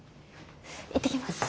行ってきます。